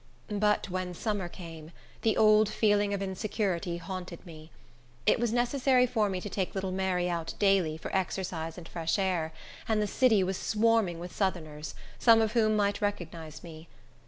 But when summer came, the old feeling of insecurity haunted me. It was necessary for me to take little Mary out daily, for exercise and fresh air, and the city was swarming with Southerners, some of whom might recognize me.